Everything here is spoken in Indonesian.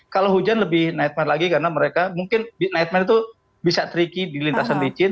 kalau hujan lebih nightman lagi karena mereka mungkin nightman itu bisa tricky di lintasan licin